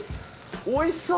おいしそう！